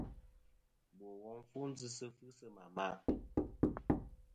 Bò wom fu ndzɨsɨ fɨsɨ ma màʼ.